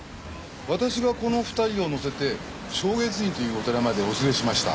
私がこの２人を乗せて松月院というお寺までお連れしました。